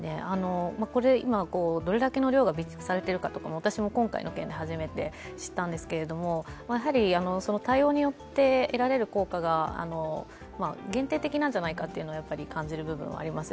今、どれだけの量が備蓄されているか私も今回初めて知ったんですけれども、その対応によって得られる効果が限定的なんじゃないかというのを感じる部分がありますね。